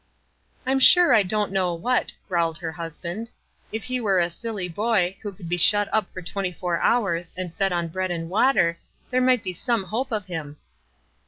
" I'm sure I don't know what," growled her husband. "If he were a silly boy, who could be shut up for twenty four hours, and fed on bread and water, there might be some hope of him."